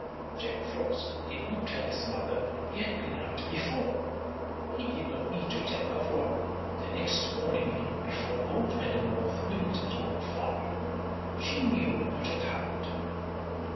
Jack Frost did not tell his mother he had been out before. He did not need to tell her, for the next morning before old Madam North Wind had gone far she knew what had happened.